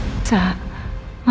pemeriksaan udah selesai